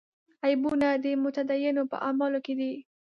عیبونه د متدینو په اعمالو کې دي.